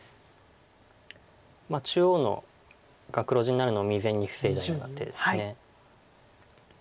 中央が黒地になるのを未然に防いだような手です。